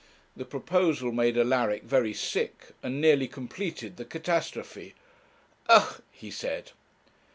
The proposal made Alaric very sick, and nearly completed the catastrophe. 'Ugh!' he said.